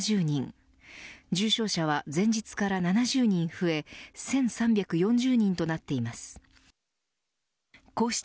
重症者は前日から７０人増え１３４０人となっています。